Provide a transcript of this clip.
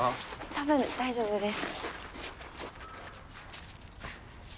多分大丈夫です。